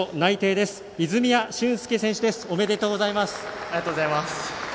ありがとうございます。